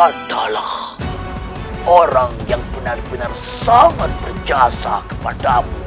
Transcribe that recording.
adalah orang yang benar benar sangat berjasa kepadamu